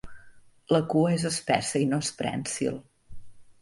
La cua és espessa i no és prènsil.